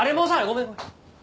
ごめんごめん。